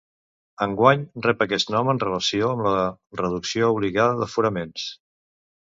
Enguany rep aquest nom en relació amb la reducció obligada d'aforaments.